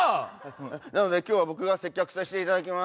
え、なので、今日は僕が接客させてもらいます！